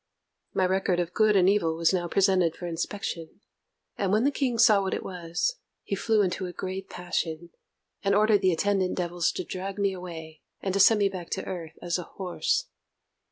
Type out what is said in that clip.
My record of good and evil was now presented for inspection, and when the King saw what it was, he flew into a great passion, and ordered the attendant devils to drag me away, and send me back to earth as a horse.